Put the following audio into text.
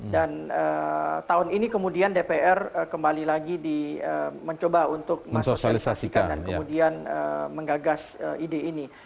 dan tahun ini kemudian dpr kembali lagi mencoba untuk mengasosialisasikan dan kemudian menggagas ide ini